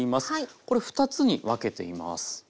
これ２つに分けています。